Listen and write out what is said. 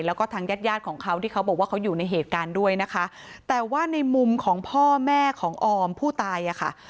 แล้วก็ทางญาติญาติของเขาที่เขาบอกว่าเขาอยู่ในเหตุการณ์ด้วยนะคะแต่ว่าในมุมของพ่อแม่ของออมผู้ตายอ่ะค่ะ